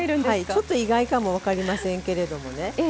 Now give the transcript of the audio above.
ちょっと意外かも分かりませんけどもね。